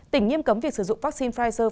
tỉnh nghiêm cấm việc sử dụng vaccine pfizer